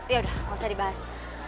ya udah gak usah dibahas